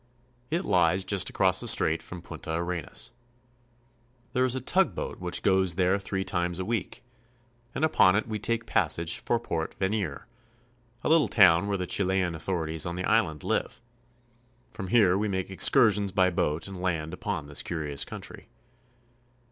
It Hes just across the strait from Punta Arenas. There is a tugboat which goes there three times a week, and upon it we take passage for Port Venir (ve neer'), a little town where the Chilean authorities on the island live. From here we make excursions by boat and land about this curious country.